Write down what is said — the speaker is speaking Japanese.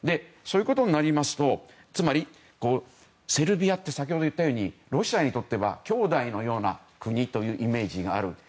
そうなりますと、つまりセルビアって先ほど言ったようにロシアにとってはきょうだいのような国というイメージがある。